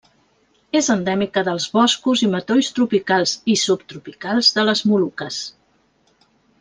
És endèmica dels boscos i matolls tropicals i subtropicals de les Moluques.